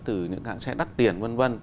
từ những hãng xe đắt tiền v v